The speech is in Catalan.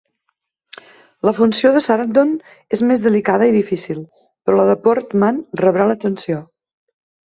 La funció de Sarandon és més delicada i difícil, però la de Portman rebrà l'atenció.